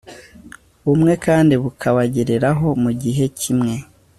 bumwe kandi bukabagereraho mu gihe kimwe